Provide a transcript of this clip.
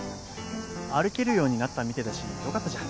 歩けるようになったみてえだしよかったじゃん。